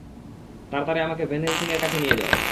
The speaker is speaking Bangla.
তাড়াতাড়ি আমাকে ভেন হেলসিং এর কাছে নিয়ে যাও।